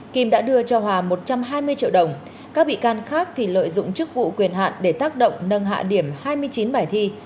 kim đã đưa cho hòa một trăm hai mươi triệu đồng các bị can khác thì lợi dụng chức vụ quyền hạn để tác động nâng hạ điểm hai mươi chín bài thi